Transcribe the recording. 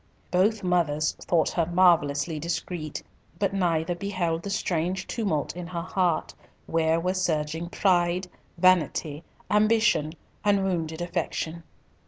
Both mothers thought her marvellously discreet; but neither beheld the strange tumult in her heart, where were surging pride, vanity, ambition, and wounded affection.